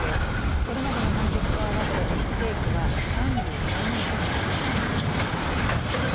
これまでの判決を合わせ刑期は３３年となりました。